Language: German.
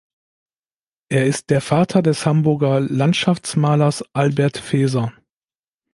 Er ist der Vater des Hamburger Landschaftsmalers Albert Feser.